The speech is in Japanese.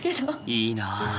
いいな。